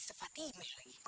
si fatimah lagi